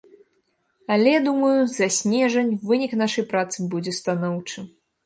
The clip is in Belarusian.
Але, думаю, за снежань вынік нашай працы будзе станоўчым.